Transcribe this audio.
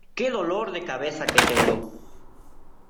¡Qué dolor de cabeza que tengo!